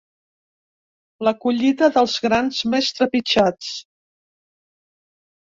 La collita dels grans més trepitjats.